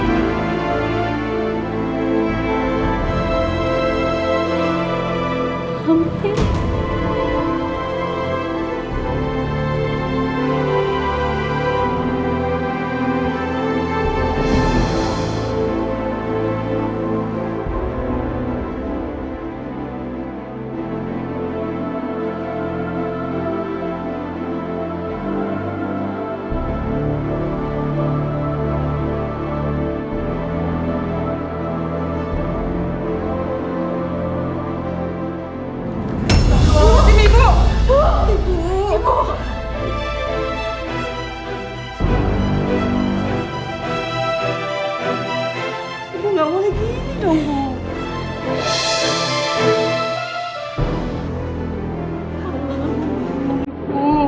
ibu gak boleh gini dong ibu